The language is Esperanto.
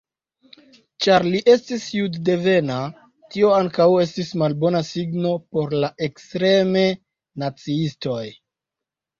Ĉar li estis juddevena, tio ankaŭ estis malbona signo por la ekstreme naciistoj.